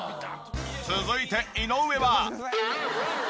続いて井上は。